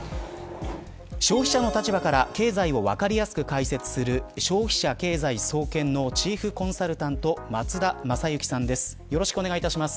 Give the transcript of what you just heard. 消費者の立場から経済を分かりやすく解説する消費者経済総研のチーフコンサルタント松田優幸さんです。